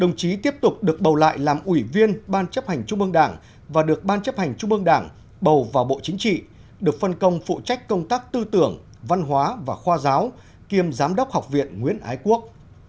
đồng chí tiếp tục được bầu lại làm ủy viên ban chấp hành trung ương đảng và được ban chấp hành trung ương đảng bầu vào bộ chính trị được phân công phụ trách công tác tư tưởng văn hóa và khoa giáo kiêm giám đốc học viện nguyễn ái quốc